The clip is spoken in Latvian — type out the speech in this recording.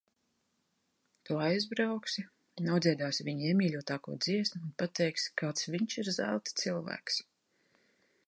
Tu aizbrauksi, nodziedāsi viņa iemīļotāko dziesmu un pateiksi, kāds viņš ir zelta cilvēks.